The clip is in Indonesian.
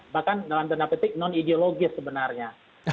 bahkan dalam tanda petik non ideologis sebenarnya